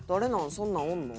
そんなんおんの？」